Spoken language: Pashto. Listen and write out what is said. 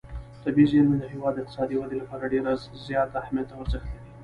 طبیعي زیرمې د هېواد د اقتصادي ودې لپاره ډېر زیات اهمیت او ارزښت لري.